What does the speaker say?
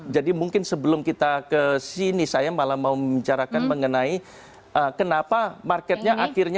jadi mungkin sebelum kita ke sini saya malah mau bicarakan mengenai kenapa market nya akhirnya